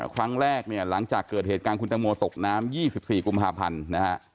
ครั้งแรกเนี่ยหลังจากเกิดเหตุการณ์คุณตังโมตกน้ำ๒๔กุมภาพันธ์นะฮะ